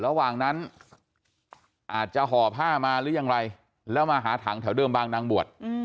ระหว่างนั้นอาจจะห่อผ้ามาหรือยังไรแล้วมาหาถังแถวเดิมบางนางบวช